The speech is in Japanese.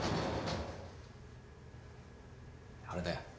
あれだよ